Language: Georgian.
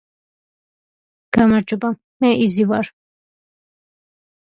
გამარჯობა მე იზი ვარ